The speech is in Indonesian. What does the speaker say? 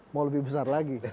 mau lebih besar lagi